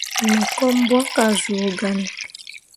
Me ko mbwakke ah zuu gahne.